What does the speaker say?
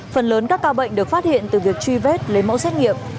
phần lớn các ca bệnh được phát hiện từ việc truy vết lấy mẫu xét nghiệm